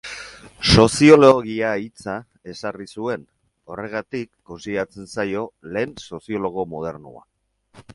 Soziologia hitza ezarri zuen, horregatik kontsideratzen zaio lehen soziologo modernoa.